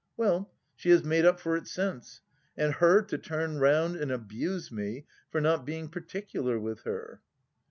Well, she has made up for it since ! And her to turn round and abuse me for not being particular with her!